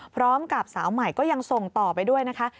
พร้อมกับสาวใหม่ก็ยังส่งต่อไปด้วยนะคะ